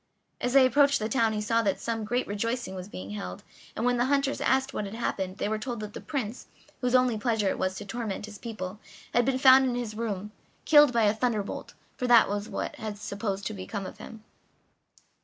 As they approached the town he saw that some great rejoicing was being held, and when the hunters asked what had happened they were told that the Prince, whose only pleasure it was to torment his people, had been found in his room, killed by a thunder bolt (for that was what was supposed to have become of him).